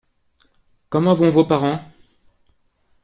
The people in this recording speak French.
Comment vont vos parents ?